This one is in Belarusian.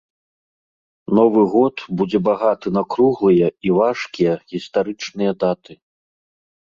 Новы год будзе багаты на круглыя і важкія гістарычныя даты.